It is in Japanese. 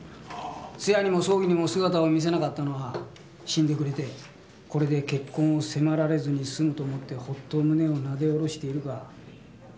通夜にも葬儀にも姿を見せなかったのは死んでくれてこれで結婚を迫られずに済むと思ってホッと胸をなで下ろしているかあるいは。